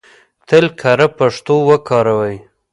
تل کره پښتو وکاروئ!